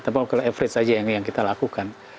tapi kalau average saja yang kita lakukan